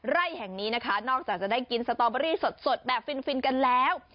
ไร่แห่งนี้นะคะนอกจากจะได้กินสตอเบอรี่สดแบบฟินกันแล้ว